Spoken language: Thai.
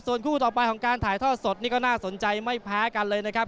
ส่วนคู่ต่อไปของการถ่ายทอดสดนี่ก็น่าสนใจไม่แพ้กันเลยนะครับ